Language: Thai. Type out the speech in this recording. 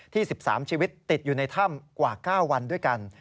๑๓ชีวิตติดอยู่ในถ้ำกว่า๙วันด้วยกัน